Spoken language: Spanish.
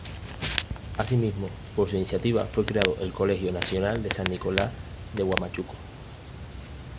Asimismo, por su iniciativa fue creado el Colegio Nacional San Nicolás de Huamachuco.